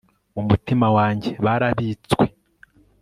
mu mutima wanjye barabitswe